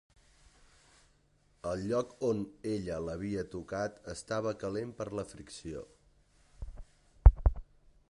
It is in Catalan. El lloc on ella l'havia tocat estava calent per la fricció.